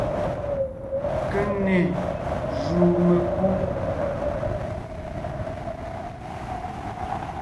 Keŋne jùu mekú.